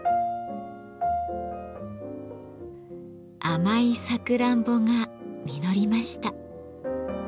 甘いサクランボが実りました。